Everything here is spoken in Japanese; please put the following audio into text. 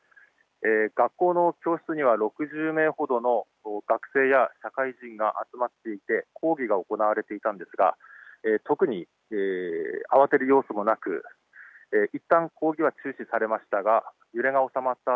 学校の教室には６０名ほどの学生や社会人が集まっていて講義が行われていたのですが特に慌てる様子もなくいったん講義は中止されましたが揺れが収まった